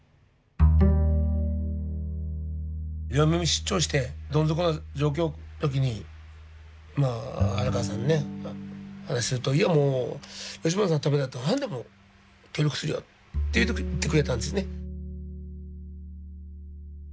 両耳失聴してどん底の状況の時にまあ原川さんにね話すると「いやもう吉本さんのためだったら何でも協力するよ」って言ってくれたんですね。